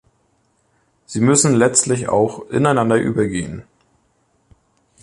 Sie müssen letztlich auch ineinander übergehen.